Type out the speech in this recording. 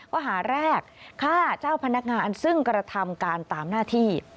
ข้อหาแรกฆ่าเจ้าพนักงานซึ่งกระทำการตามหน้าที่